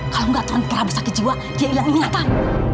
kalau gak tuan prabu sakit jiwa dia hilang ingatan